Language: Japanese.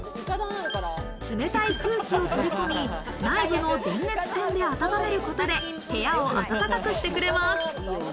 冷たい空気を取り込み、内部の電熱線で温めることで部屋を暖かくしてくれます。